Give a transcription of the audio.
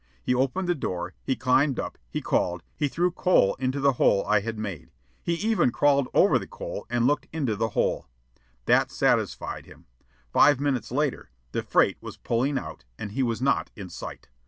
He opened the door, he climbed up, he called, he threw coal into the hole I had made. He even crawled over the coal and looked into the hole. That satisfied him. Five minutes later the freight was pulling out, and he was not in sight.